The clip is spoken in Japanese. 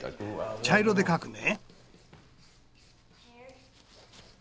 茶色で描くね。